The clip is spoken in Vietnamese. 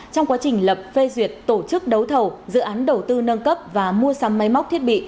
trong quá trình lập phê duyệt tổ chức đấu thầu dự án đầu tư nâng cấp và mua sắm máy móc thiết bị